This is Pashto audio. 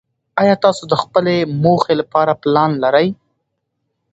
ایا تاسو د خپلې موخې لپاره پلان لرئ؟